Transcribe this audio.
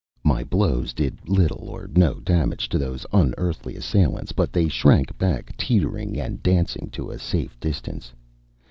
My blows did little or no damage to those unearthly assailants, but they shrank back, teetering and dancing, to a safe distance.